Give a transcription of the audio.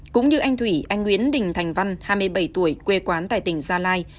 cũng như anh thủy anh nguyễn đình thành văn hai mươi bảy tuổi quê quán tại tỉnh gia lai